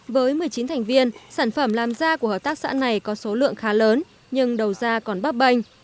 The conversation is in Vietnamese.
với một mươi chín thành viên sản phẩm làm da của hợp tác xã này có số lượng khá lớn nhưng đầu da còn bắp banh